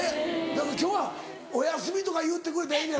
今日は「おやすみ」とか言うてくれたらええのやろ？